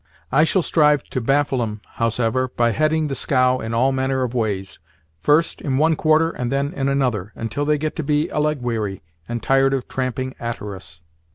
I shall strive to baffle 'em, howsever, by heading the scow in all manner of ways, first in one quarter and then in another, until they get to be a leg weary, and tired of tramping a'ter us."